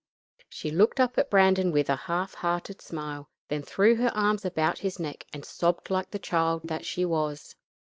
She looked up at Brandon with a half hearted smile, and then threw her arms about his neck and sobbed like the child that she was.